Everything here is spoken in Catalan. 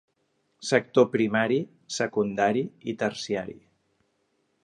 Sector primari, secundari i terciari.